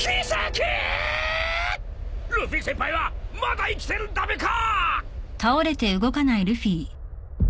［ルフィ先輩はまだ生きてるんだべか！］